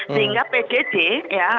sehingga pdd ya